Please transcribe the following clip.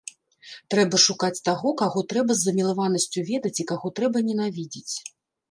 Трэба шукаць таго, каго трэба з замілаванасцю ведаць і каго трэба ненавідзець.